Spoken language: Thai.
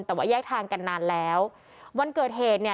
แต่ว่าแยกทางกันนานแล้ววันเกิดเหตุเนี่ย